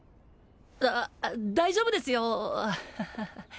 だ大丈夫ですよアハハ